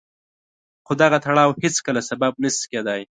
خو دغه تړاو هېڅکله سبب نه شي کېدای.